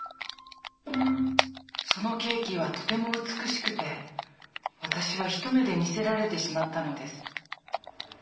そのケーキはとても美しくて私は一目で魅せられてしまったのです。